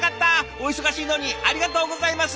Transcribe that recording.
お忙しいのにありがとうございます。